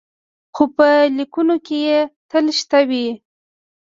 خو په لیکنو کې یې تل شته وي.